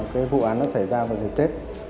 cái vụ án nó xảy ra vào ngày tết